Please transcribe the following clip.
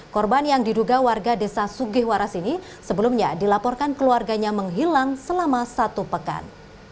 korban yang diduga warga desa sugihwaras ini sebelumnya dilaporkan keluarganya menghilang selama satu pekan